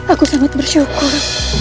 aku sangat bersyukur